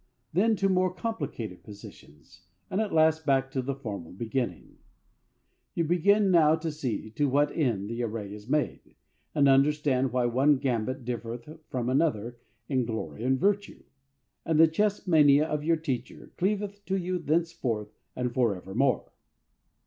Then to more complicated positions, and at last back to the formal beginning. You begin to see now to what end the array is made, and understand why one Gambit differeth from another in glory and virtue. And the chess mania of your teacher cleaveth to you thenceforth and for evermore.